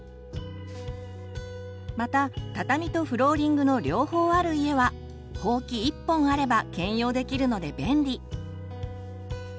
また畳とフローリングの両方ある家はほうき１本あれば兼用できるので便利。